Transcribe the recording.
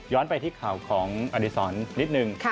ย้อนไปที่ข่าวของออดิสอนนิดนึง